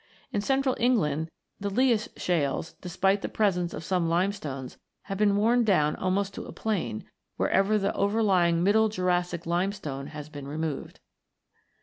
In central England, the Lias shales, despite the presence of some limestones, have been worn down almost to a plain, wherever the overlying Middle Jurassic limestone has been removed.